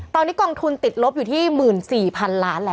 ตอนนี้กองทุนติดลบอยู่ที่๑๔๐๐๐ล้านแล้ว